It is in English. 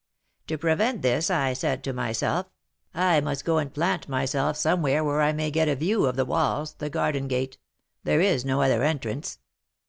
To prevent this, I said to myself, 'I must go and plant myself somewhere where I may get a view of the walls, the garden gate, there is no other entrance.